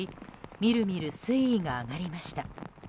みるみる水位が上がりました。